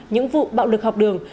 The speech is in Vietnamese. những vụ bạo lực học đường